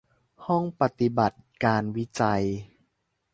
ห้องปฏิบัติการวิจัย